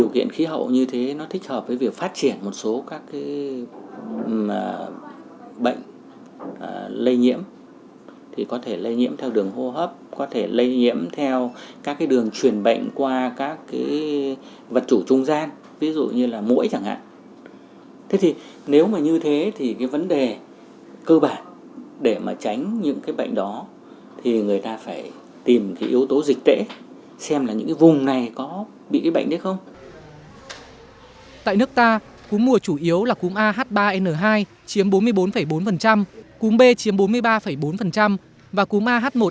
tại nước ta cúm mùa chủ yếu là cúm a h ba n hai chiếm bốn mươi bốn bốn cúm b chiếm bốn mươi ba bốn và cúm a h một n một chiếm một mươi hai hai